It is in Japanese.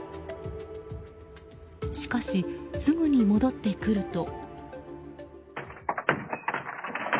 しかし、すぐに戻ってくると。